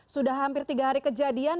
sudah hampir tiga hari kejadian